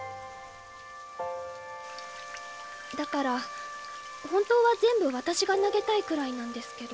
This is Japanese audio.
だから本当は全部私が投げたいくらいなんですけど。